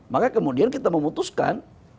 maka kemudian kita memutuskan